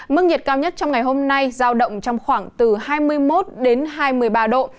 mức nhiệt cao nhất trong ngày hôm nay giao động trong khoảng từ hai mươi một đến hai mươi ba độ